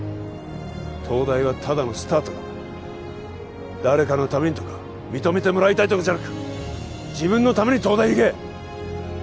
東大はただのスタートだ誰かのためにとか認めてもらいたいとかじゃなく自分のために東大に行け！